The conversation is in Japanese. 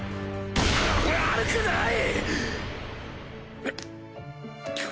悪くない！グ。